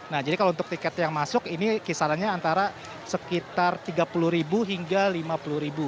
nah jadi kalau untuk tiket yang masuk ini kisarannya antara sekitar rp tiga puluh hingga rp lima puluh